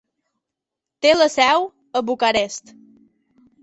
Té la seu a Bucarest.